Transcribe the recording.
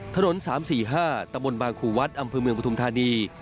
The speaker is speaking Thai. ถนน๓๔๕ตะบนบางขู่วัดอำเภอเมืองปฐุมธานี